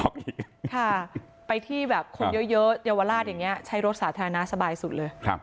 ค่ะไปที่แบบคนเยอะเยาวราชอย่างนี้ใช้รถสาธารณะสบายสุดเลย